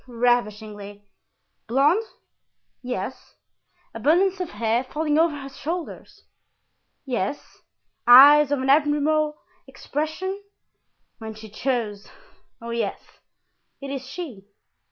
"Ravishingly." "Blond?" "Yes." "Abundance of hair—falling over her shoulders?" "Yes." "Eyes of an admirable expression?" "When she chose. Oh, yes, it is she!"